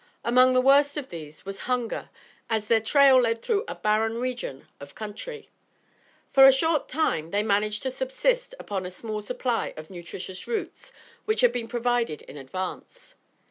Among the worst of these was hunger, as their trail led through a barren region of country. For a short time, they managed to subsist upon a small supply of nutritious roots which had been provided in advance.